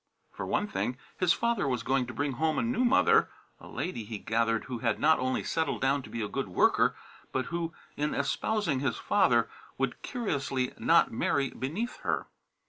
For one thing, his father was going to bring home a new mother; a lady, he gathered, who had not only settled down to be a good worker, but who, in espousing his father, would curiously not marry beneath her.